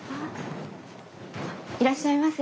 いらっしゃいませ。